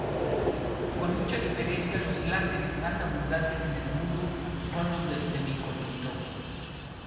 Con mucha diferencia, los láseres más abundantes en el mundo son los de semiconductor.